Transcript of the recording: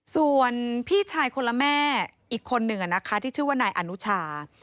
ส่วนพี่ชายคนละแม่อีกคนหนึ่งที่ชื่อว่านายอนุชา